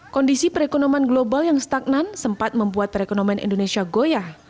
kondisi perekonomian global yang stagnan sempat membuat perekonomian indonesia goyah